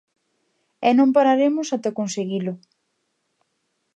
E non pararemos ata conseguilo.